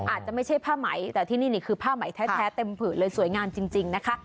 อาจจะไม่ใช่ผ้าไหมแต่ที่นี่นี่คือผ้าไหมแท้เต็มผืดเลยสวยงามจริงนะคะ